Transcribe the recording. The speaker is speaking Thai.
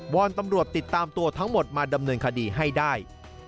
อนตำรวจติดตามตัวทั้งหมดมาดำเนินคดีให้ได้